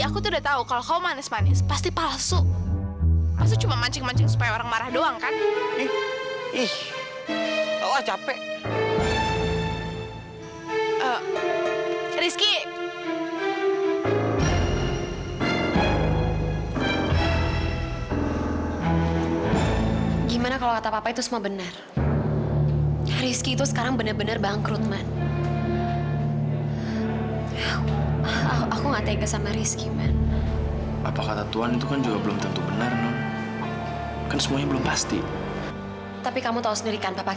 aku gak mau kau deh ngadepin ini semua sendirian